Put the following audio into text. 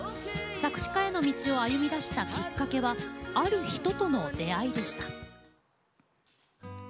作詞家への道を歩みだしたきっかけはある人との出会いでした。